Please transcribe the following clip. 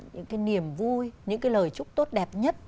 những niềm vui những lời chúc tốt đẹp nhất